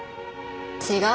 違う。